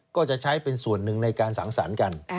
ก็จะใช้เป็นส่วนหนึ่งในการสังสรรค์กัน